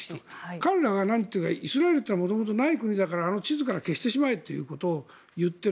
彼らが何を言っているかイスラエルは元々ない国だからあの地図から消してしまえということを言っている。